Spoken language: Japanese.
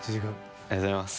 ありがとうございます。